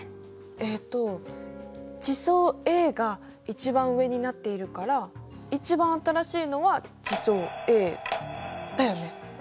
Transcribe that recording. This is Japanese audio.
えっと地層Ａが一番上になっているから一番新しいのは地層Ａだよね？